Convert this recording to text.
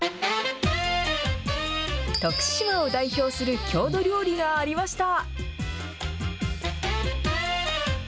徳島を代表する郷土料理がありました。